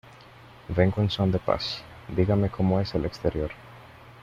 Vengo en son de paz. Dígame como es el exterior .